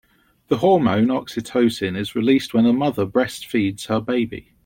The hormone oxytocin is released when a mother breastfeeds her baby.